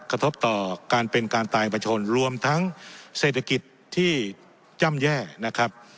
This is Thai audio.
กระทบต่อการเป็นการตายของประชนรวมทั้งเศรษฐกิจที่ย่ำแย่นะครับ